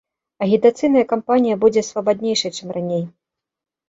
Агітацыйная кампанія будзе свабаднейшай, чым раней.